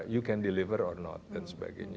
you can deliver or not dan sebagainya